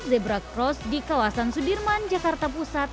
zebra cross di kawasan sudirman jakarta pusat